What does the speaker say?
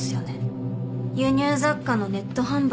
輸入雑貨のネット販売。